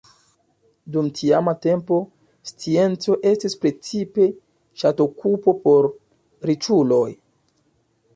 Dum tiama tempo, scienco estis precipe ŝatokupo por riĉuloj.